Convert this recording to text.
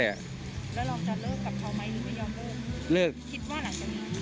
แล้วเราจะเลิกกับเขาหรือยัง